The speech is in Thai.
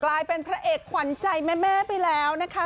กลายเป็นพระเอกขวัญใจแม่ไปแล้วนะคะ